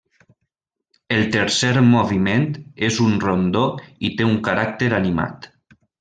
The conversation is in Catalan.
El tercer moviment és un rondó i té un caràcter animat.